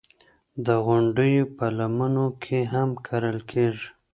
د غونډیو په لمنو کې هم کرل کېږي.